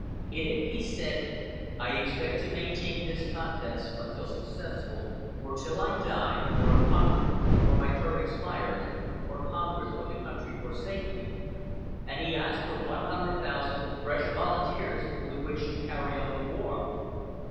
In it he said: "I expect to maintain this contest until successful, or till I die, or am conquered, or my term expires, or Congress or the country forsake me," and he asked for 100,000 fresh volunteers with which to carry on the war.